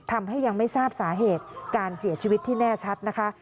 ทำให้ยังไม่ทราบสาเหตุการเสียชีวิตที่แน่ชัดนะคะ